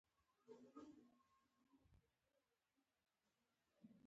د ځينو سندرو له اورېدو سره يې مينه پيدا شوه.